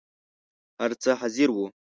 هر څه حاضر وو.